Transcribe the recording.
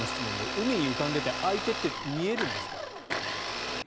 海に浮かんでいて相手って見えるんですか？